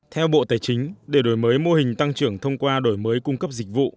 theo bộ tài chính để đổi mới mô hình tăng trưởng thông qua đổi mới cung cấp dịch vụ